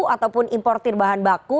ataupun importer bahan baku